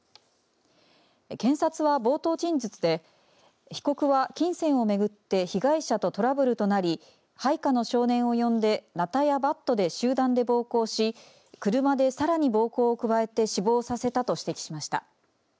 検察は、冒頭陳述で被告は金銭をめぐって被害者とトラブルとなり配下の少年を呼んでナタやバットで集団で暴行し車でさらに暴行を加えて死亡させたと指摘しました。